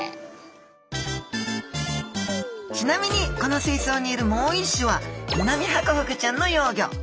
ちなみにこの水槽にいるもう一種はミナミハコフグちゃんの幼魚。